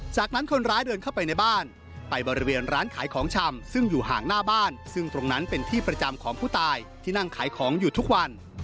จากนั้นคนร้ายเดินเข้าไปในบ้านไปบริเวณร้านขายของชำซึ่งอยู่ห่างหน้าบ้านซึ่งตรงนั้นเป็นที่ประจำของผู้ตายที่นั่งขายของอยู่ทุกวัน